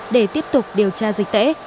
để tiếp tục điều tra dịch tễ